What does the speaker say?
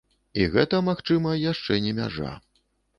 І гэта, магчыма, яшчэ не мяжа.